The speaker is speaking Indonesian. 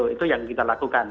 itu yang kita lakukan